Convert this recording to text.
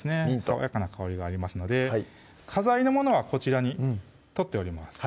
爽やかな香りがありますので飾りのものはこちらに取っております